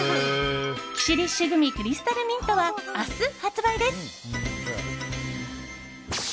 キシリッシュグミクリスタルミントは明日発売です。